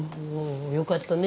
よかったね